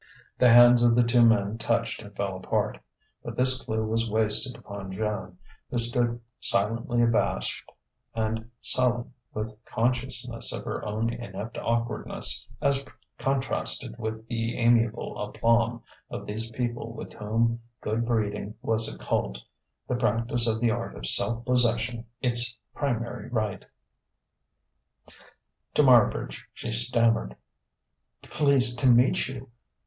The hands of the two men touched and fell apart. But this clue was wasted upon Joan, who stood silently abashed and sullen with consciousness of her own inept awkwardness as contrasted with the amiable aplomb of these people with whom good breeding was a cult, the practice of the art of self possession its primary rite. To Marbridge she stammered: "Pleased to meet you."